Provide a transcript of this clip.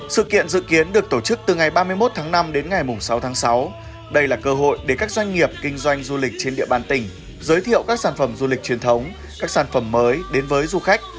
sự kiện dự kiến được tổ chức từ ngày ba mươi một tháng năm đến ngày sáu tháng sáu đây là cơ hội để các doanh nghiệp kinh doanh du lịch trên địa bàn tỉnh giới thiệu các sản phẩm du lịch truyền thống các sản phẩm mới đến với du khách